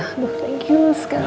thank you sekali